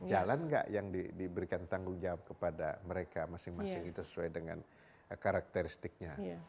jalan nggak yang diberikan tanggung jawab kepada mereka masing masing itu sesuai dengan karakteristiknya